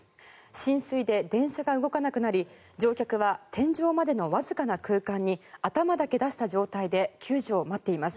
浸水で電車が動かなくなり乗客は天井までのわずかな空間に頭だけ出した状態で救助を待っています。